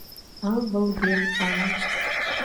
Ал вылген ала